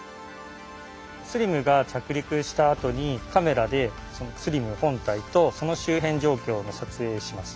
ＳＬＩＭが着陸したあとにカメラでＳＬＩＭ本体とその周辺状況を撮影します。